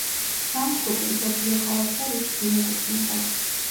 ფრანკფურტი მსოფლიო ქალაქთა რიცხვს მიეკუთვნება.